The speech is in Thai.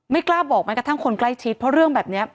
กล้าบอกแม้กระทั่งคนใกล้ชิดเพราะเรื่องแบบนี้